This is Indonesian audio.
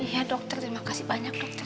ya dokter terima kasih banyak dokter